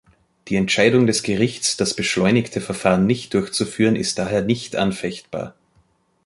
Die Entscheidung des Gerichts, das beschleunigte Verfahren nicht durchzuführen, ist daher nicht anfechtbar.